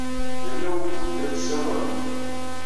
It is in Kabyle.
Yerna wukud telliḍ tessawaleḍ?